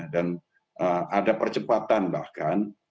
dan ada percepatan bahkan